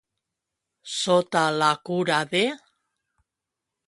Sota la cura de.